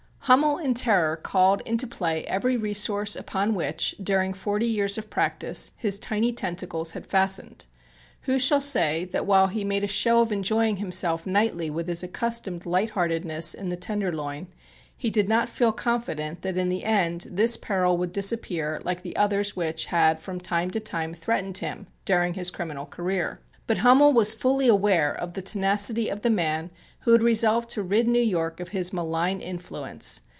Hummel in terror called into play every resource upon which, during forty years of practice, his tiny tentacles had fastened. Who shall say that while he made a show of enjoying himself nightly with his accustomed light heartedness in the Tenderloin, he did not feel confident that in the end this peril would disappear like the others which had from time to time threatened him during his criminal career? But Hummel was fully aware of the tenacity of the man who had resolved to rid New York of his malign influence.